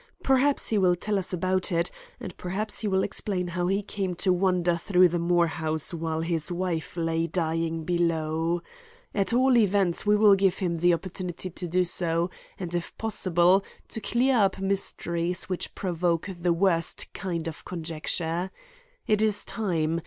Perhaps he will tell us about it, and perhaps he will explain how he came to wander through the Moore house while his wife lay dying below. At all events we will give him the opportunity to do so and, if possible, to clear up mysteries which provoke the worst kind of conjecture. It is time.